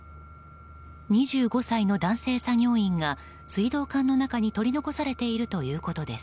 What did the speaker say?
２５歳の男性作業員が水道管の中に取り残されているということです。